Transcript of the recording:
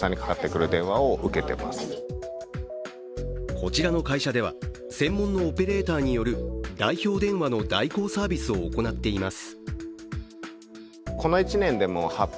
こちらの会社では、専門のオペレーターによる代表電話の代行サービスを行っています。